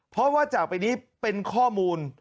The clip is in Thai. เพราะว่าจากไปนี้เป็นข้อมูล